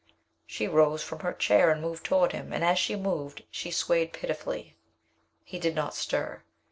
She rose from her chair and moved toward him, and as she moved, she swayed pitifully. He did not stir.